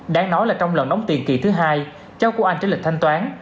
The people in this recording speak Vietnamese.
đáng nói là trong lần đóng tiền kỳ thứ hai cháu của anh trả lệnh thanh toán